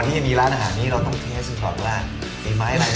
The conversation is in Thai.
วันนี้มีร้านอาหารนี้จะเทสสมิดว่ามายละยืม